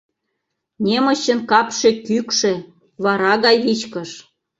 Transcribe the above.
Немычын капше кӱкшӧ, вара гай вичкыж.